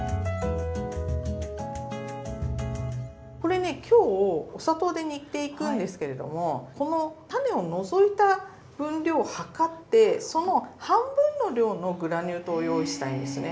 これね今日お砂糖で煮ていくんですけれどもこの種を除いた分量を量ってその半分の量のグラニュー糖を用意したいんですね。